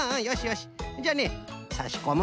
じゃあねさしこむ。